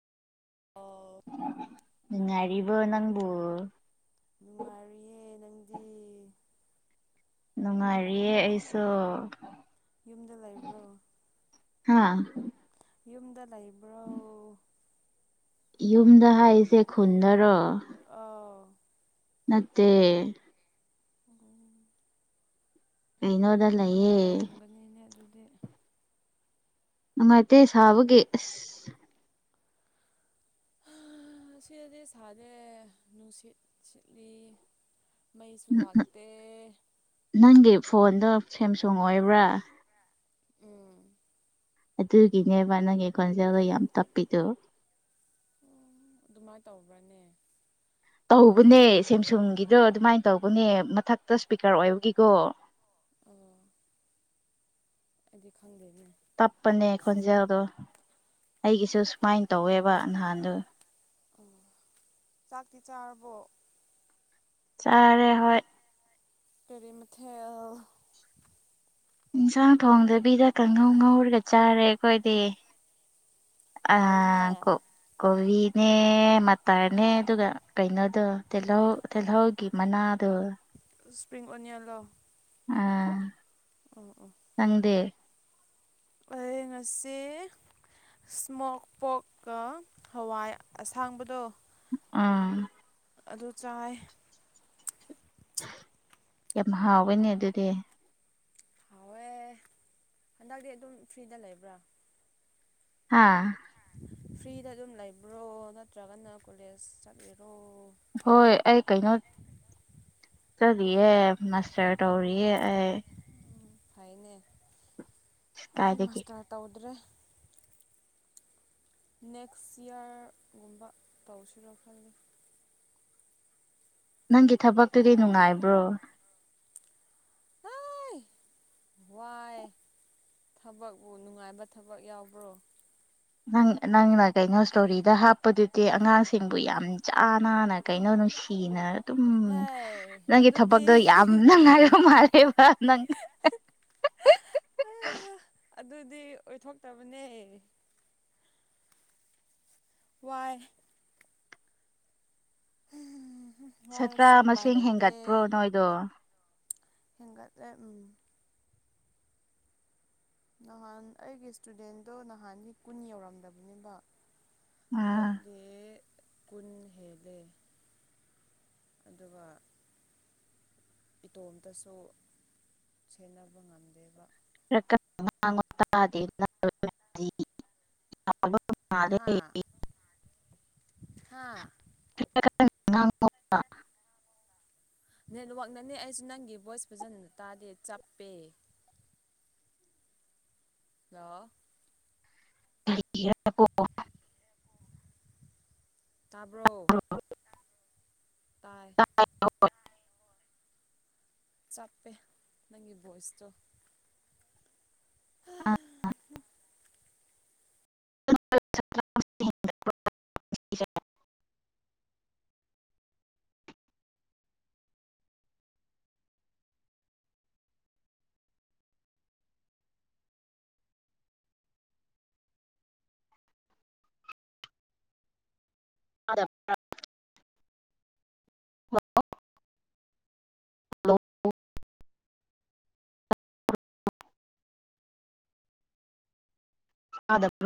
ꯑꯥꯎ ꯅꯨꯡꯉꯥꯏꯔꯤꯕꯣ ꯅꯪꯕꯣ ꯅꯨꯡꯉꯥꯏꯔꯤꯌꯦ ꯅꯪꯗꯤ ꯅꯨꯡꯉꯥꯏꯔꯤꯌꯦ ꯑꯩꯁꯨ ꯌꯨꯝꯗ ꯂꯩꯕ꯭ꯔꯣ ꯍꯥꯥ ꯌꯨꯝꯗ ꯂꯩꯕ꯭ꯔꯣ ꯌꯨꯝꯗ ꯍꯥꯏꯁꯦ ꯈꯨꯟꯗꯔꯣ ꯑꯥꯎ ꯅꯠꯇꯦ ꯑꯣ ꯀꯩꯅꯣ ꯅꯨꯡꯉꯥꯏꯔꯝꯒꯅꯤꯅꯦ ꯑꯗꯨꯗꯤ ꯅꯨꯡꯉꯥꯏꯇꯦ ꯁꯥꯕꯒꯤ ꯑꯁ ꯁꯤꯗꯗꯤ ꯁꯥꯗꯦ ꯅꯨꯡꯁꯤꯠ ꯁꯤꯠꯂꯤ ꯃꯩꯁꯨ ꯂꯥꯛꯇꯦ ꯅꯪꯒꯤ ꯐꯣꯟꯗꯣ ꯁꯦꯝꯁꯨꯡ ꯑꯣꯏꯕ꯭ꯔꯥ ꯎꯝ ꯑꯗꯨꯒꯤꯅꯦꯕ ꯅꯪꯒꯤ ꯈꯣꯟꯖꯦꯜꯗꯣ ꯌꯥꯝ ꯇꯞꯄꯤꯗꯣ ꯑꯣ ꯑꯗꯨꯃꯥꯏꯅ ꯇꯧꯕ꯭ꯔꯅꯦ ꯑꯩꯗꯤ ꯇꯧꯕꯅꯦ ꯈꯪꯗꯦ ꯁꯦꯝꯁꯨꯡꯒꯤꯗꯣ ꯑꯗꯨꯃꯥꯏꯅ ꯇꯧꯕꯅꯦ ꯃꯊꯛꯇ ꯏꯁꯄꯤꯀꯔ ꯑꯣꯏꯕꯒꯤꯀꯣ ꯑꯣ ꯑꯩꯗꯤ ꯈꯪꯗꯦꯅꯦ ꯇꯞꯄꯅꯦ ꯈꯣꯟꯖꯦꯜꯗꯣ ꯑꯩꯒꯤꯁꯨ ꯁꯨꯃꯥꯏꯅ ꯇꯧꯋꯦꯕ ꯅꯍꯥꯟꯗꯨ ꯑꯣ ꯆꯥꯛꯇꯤ ꯆꯥꯔꯕꯣ ꯆꯥꯔꯦ ꯍꯣꯏ ꯀꯥꯔꯤ ꯃꯊꯦꯜ ꯏꯟꯁꯥꯡ ꯊꯣꯡꯗꯕꯤꯗ ꯀꯥꯡꯍꯧ ꯉꯧꯔꯒ ꯆꯥꯔꯦ ꯑꯩꯈꯣꯏꯗꯤ ꯑ ꯍꯥꯎꯋꯤꯅꯦ ꯀꯣ ꯀꯣꯕꯤꯅꯦ ꯃꯇꯇꯔꯅꯦ ꯑꯗꯨꯒ ꯀꯩꯅꯣꯗꯣ ꯇꯤꯜꯍꯧ ꯇꯤꯜꯍꯧꯒꯤ ꯃꯅꯥ ꯑꯗꯨ ꯏꯁ꯭ꯄ꯭ꯔꯤꯡ ꯑꯣꯅꯤꯌꯟ ꯂꯣ ꯎꯝ ꯑꯣ ꯑꯣ ꯅꯪꯗꯦ ꯑꯩꯌꯦꯡ ꯉꯁꯤ ꯏꯁꯃꯣꯛ ꯄꯣꯛꯀ ꯍꯋꯥꯏ ꯑꯁꯥꯡꯕꯗꯣ ꯑꯥ ꯑꯗꯨ ꯆꯥꯏ ꯌꯥꯝ ꯍꯥꯎꯋꯦꯅꯦ ꯑꯗꯨꯗꯤ ꯍꯥꯎꯋꯦ ꯍꯟꯗꯛꯇꯤ ꯑꯗꯨꯝ ꯐ꯭ꯔꯤꯗ ꯂꯩꯕ꯭ꯔꯥ ꯍꯥꯥ ꯐ꯭ꯔꯤꯗ ꯑꯗꯨꯝ ꯂꯩꯕ꯭ꯔꯣ ꯅꯠꯇ꯭ꯔꯒꯅ ꯀꯣꯂꯦꯖ ꯆꯠꯂꯤꯔꯣ ꯍꯣꯏ ꯑꯩ ꯀꯩꯅꯣ ꯆꯠꯂꯤꯌꯦ ꯃꯥꯁꯇꯔ ꯇꯧꯔꯤꯌꯦ ꯑꯩ ꯍꯣꯏꯅꯦ ꯑꯩꯗꯤ ꯀꯥꯏꯗꯒꯤ ꯃꯥꯁꯇꯔ ꯇꯧꯗ꯭ꯔꯦ ꯅꯦꯛꯁ ꯏꯌꯥꯔꯒꯨꯝꯕ ꯇꯧꯁꯤꯔꯣ ꯈꯜꯂꯤ ꯅꯪꯒꯤ ꯊꯕꯛꯇꯨꯗꯤ ꯅꯨꯡꯉꯥꯏꯕ꯭ꯔꯣ ꯍꯣꯏ ꯋꯥꯏ ꯊꯕꯛꯎ ꯅꯨꯡꯉꯥꯏꯕ ꯊꯕꯛ ꯌꯥꯎꯕ꯭ꯔꯣ ꯅꯪ ꯅꯪꯅ ꯀꯩꯅꯣ ꯏꯁꯇꯣꯔꯤꯗ ꯍꯥꯞꯄꯗꯨꯗꯤ ꯑꯉꯥꯡꯁꯤꯡꯕꯨ ꯌꯥꯝ ꯆꯥ ꯅꯥꯅ ꯀꯩꯅꯣ ꯅꯨꯡꯁꯤꯅ ꯑꯗꯨꯝ ꯍꯥꯏ ꯅꯪꯒꯤ ꯑꯗꯨꯗꯤ ꯊꯕꯛꯇꯣ ꯌꯥꯝꯅꯉꯥꯏꯕ ꯃꯥꯜꯂꯦꯕ ꯅꯪ ꯑꯗꯨꯗꯤ ꯑꯣꯏꯊꯣꯛꯇꯕꯅꯦ ꯋꯥꯔ ꯎ ꯋꯥꯔꯁꯨ ꯁꯥꯇ꯭ꯔ ꯎꯄꯥꯏ ꯃꯁꯤꯡ ꯂꯩꯇꯦ ꯍꯦꯟꯒꯠꯄ꯭ꯔꯣ ꯅꯣꯏꯗꯣ ꯍꯦꯟꯒꯠꯂꯦ ꯎꯝ ꯅꯍꯥꯟ ꯑꯩꯒꯤ ꯏꯁꯇꯨꯗꯦꯟꯗꯣ ꯅꯍꯥꯟꯒꯤ ꯀꯨꯟ ꯌꯧꯔꯝꯗꯕꯅꯦꯕ ꯑꯥ ꯍꯟꯗꯛꯇꯤ ꯀꯨꯟ ꯍꯦꯜꯂꯦ ꯑꯗꯨꯒ ꯏꯇꯣꯝꯇꯁꯨ ꯁꯦꯟꯅꯕ ꯉꯝꯗꯦꯕ [unintelligible] ꯌꯥꯔ [unintelligible] ꯆ ꯍꯥ ꯍꯥ ꯀ [unintelligible] ꯅꯦꯠꯋꯥꯛꯅꯅꯦ ꯑꯩꯁꯨ ꯅꯪꯒꯤ ꯚꯣꯏꯁ ꯐꯖꯅ ꯇꯥꯗꯦ ꯆꯞꯄꯦ ꯂꫭ [unintelligible] ꯇꯥꯕ꯭ꯔꯣ ꯇꯥꯏ [unintelligible] ꯆꯞꯄꯦ ꯅꯪꯒꯤ ꯚꯣꯏꯁꯇꯣ [unintelligible] [unintelligible] [unintelligible] [unintelligible] [unintelligible] [unintelligible]